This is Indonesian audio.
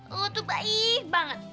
lo tuh baik banget